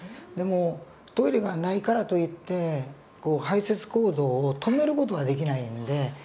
でもトイレがないからといって排泄行動を止める事はできないんで。